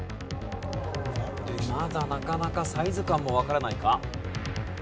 まだなかなかサイズ感もわからないか？